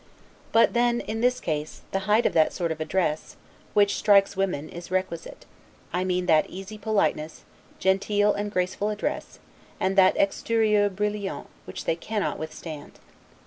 But then, in this case, the height of that sort of address, which, strikes women, is requisite; I mean that easy politeness, genteel and graceful address, and that 'exterieur brilliant' which they cannot withstand.